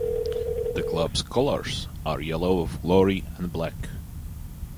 The club's colours are yellow of glory and black.